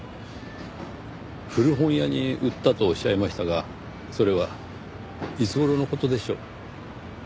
古本屋に売ったとおっしゃいましたがそれはいつ頃の事でしょう？